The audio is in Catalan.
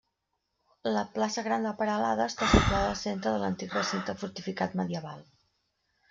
La plaça Gran de Peralada està situada al centre de l'antic recinte fortificat medieval.